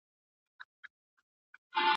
اخلاق او صنعت د تمدن مهم ارکان دي.